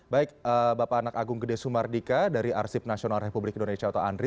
baik bapak anak agung gede sumardika dari arsip nasional republik indonesia atau andri